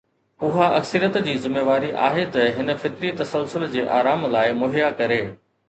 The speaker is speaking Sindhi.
اها اڪثريت جي ذميواري آهي ته هن فطري تسلسل جي آرام لاءِ مهيا ڪري.